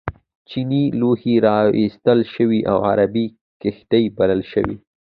چینی لوښي را ایستل شوي او عربي کښتۍ بلل شوي.